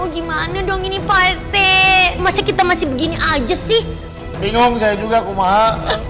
gimana dong ini falset masa kita masih begini aja sih bingung saya juga kumoha